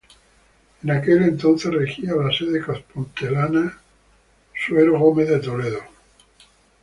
En aquel entonces regía la sede compostelana Suero Gómez de Toledo.